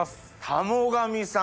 田母神さん。